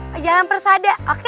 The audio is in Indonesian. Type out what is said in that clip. ke jalan persada oke